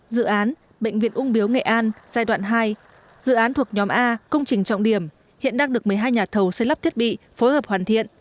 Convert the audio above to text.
dự án bệnh viện ung biếu nghệ an giai đoạn hai dự án thuộc nhóm a công trình trọng điểm hiện đang được một mươi hai nhà thầu xây lắp thiết bị phối hợp hoàn thiện